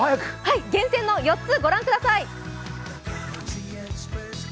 厳選の４つ、御覧ください。